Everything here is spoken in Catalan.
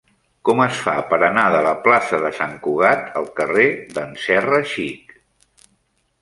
Com es fa per anar de la plaça de Sant Cugat al carrer d'en Serra Xic?